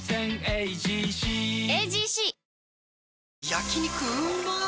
焼肉うまっ